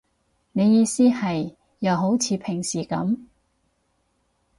你意思係，又好似平時噉